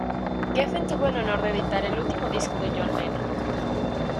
Geffen tuvo el honor de editar el último disco de John Lennon.